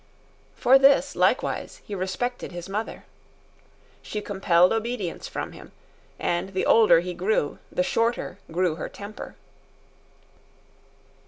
For this, likewise, he respected his mother. She compelled obedience from him, and the older he grew the shorter grew her temper.